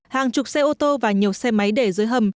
hàng chục xe ô tô và nhiều xe máy để dưới hầm